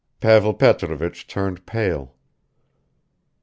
Pavel Petrovich turned pale.